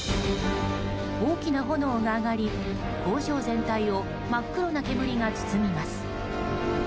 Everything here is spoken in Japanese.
大きな炎が上がり、工場全体を真っ黒な煙が包みます。